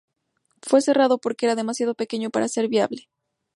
Fue cerrado porque era demasiado pequeño para ser viable.